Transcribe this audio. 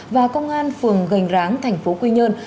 và công an phường gành ráng thành phố quy nhơn